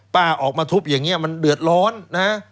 ออกมาทุบอย่างนี้มันเดือดร้อนนะ